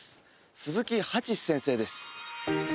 鈴木八司先生です